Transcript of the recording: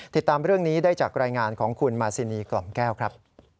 ติดตามเรื่องนี้ได้จากรายงานของคุณมาซินีกล่อมแก้วครับ